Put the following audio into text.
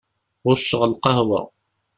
Ɣucceɣ lqahwa.